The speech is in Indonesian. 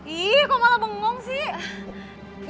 ih kok malah bengong sih